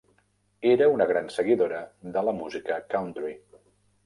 Era una gran seguidora de la música country